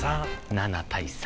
７対３。